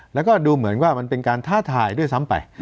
แล้วก็ดูเหมือนว่ามันเป็นการท้าทายด้วยซ้ำไป